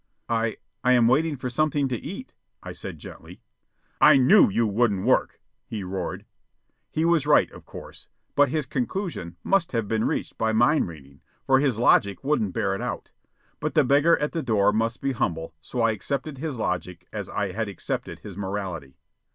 "I ... I am waiting for something to eat," I said gently. "I knew you wouldn't work!" he roared. He was right, of course; but his conclusion must have been reached by mind reading, for his logic wouldn't bear it out. But the beggar at the door must be humble, so I accepted his logic as I had accepted his morality.